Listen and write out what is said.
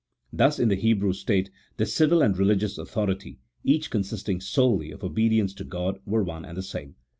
Thus in the Hebrew state the civil and religious authority, each consisting solely of obedience to God, were one and the same.